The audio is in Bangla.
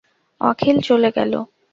অখিল চলে গেল।